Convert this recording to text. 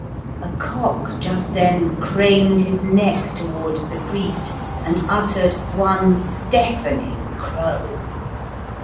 A cock just then craned his neck towards the priest, and uttered one deafening crow.